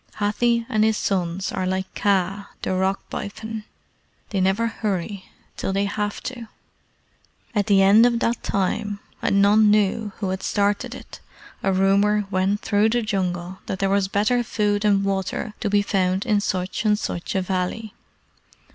Hathi and his sons are like Kaa, the Rock Python. They never hurry till they have to. At the end of that time and none knew who had started it a rumour went through the Jungle that there was better food and water to be found in such and such a valley.